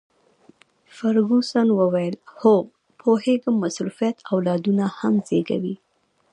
فرګوسن وویل: هو، پوهیږم، مصروفیت اولادونه هم زیږوي.